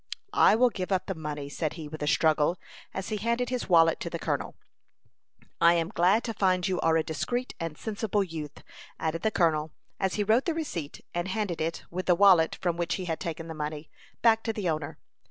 "I will give up the money," said he, with a struggle, as he handed his wallet to the colonel. "I am glad to find you are a discreet and sensible youth," added the colonel, as he wrote the receipt, and handed it, with the wallet, from which he had taken the money, back to the owner.